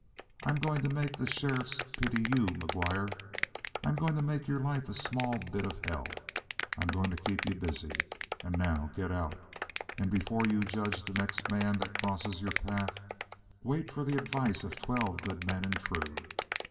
I'm going to make the sheriffs pity you, McGuire. I'm going to make your life a small bit of hell. I'm going to keep you busy. And now get out! And before you judge the next man that crosses your path, wait for the advice of twelve good men and true.